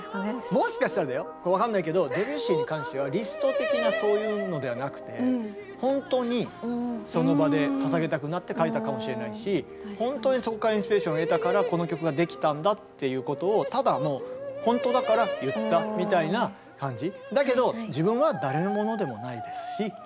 もしかしたらだよ分かんないけどドビュッシーに関してはリスト的なそういうのではなくて本当にその場でささげたくなって書いたかもしれないし本当にそこからインスピレーションを得たからこの曲ができたんだっていうことをただもう本当だから言ったみたいな感じ。